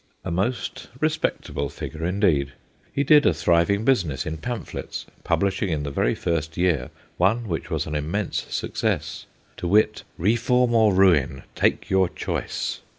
A most respectable figure indeed. He did a thriving business in pamphlets, publishing, in the very first year, one which was an immense success, to wit, Reform or Ruin : Take your Choice